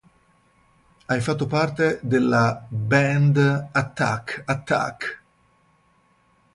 Ha fatto parte della band Attack Attack!